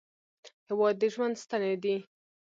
هېواد د ژوند ستنې دي.